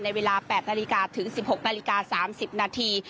เวลา๘นาฬิกาถึง๑๖นาฬิกา๓๐นาที